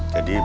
jadi aku mau